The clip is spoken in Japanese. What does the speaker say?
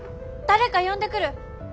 誰か呼んでくる！